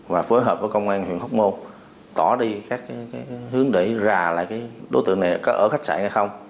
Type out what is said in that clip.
và phối hợp với công an huyện hóc môn tỏ đi các hướng để rà lại đối tượng này có ở khách sạn hay không